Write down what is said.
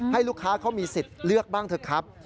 ให้ลูกค้าเขามีสิทธิ์เลือกบ้างเถอะครับ